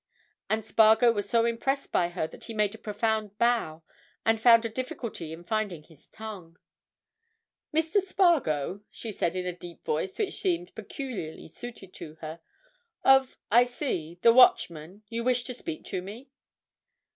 And Spargo was so impressed by her that he made a profound bow and found a difficulty in finding his tongue. "Mr. Spargo?" she said in a deep voice which seemed peculiarly suited to her. "Of, I see, the Watchman? You wish to speak to me?"